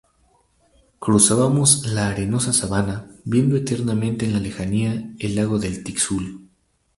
cruzábamos la arenosa sabana, viendo eternamente en la lejanía el lago del Tixul